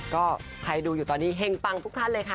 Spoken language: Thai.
ก็ใครดูอยู่ตอนนี้เฮงปังทุกท่านเลยค่ะ